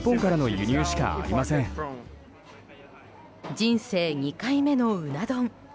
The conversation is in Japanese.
人生２回目のうな丼。